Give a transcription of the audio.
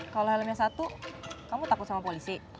kalau helmnya satu kamu takut sama polisi